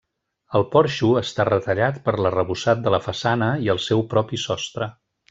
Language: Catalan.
El porxo està retallat per l'arrebossat de la façana i el seu propi sostre.